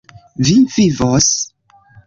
Vi vivos.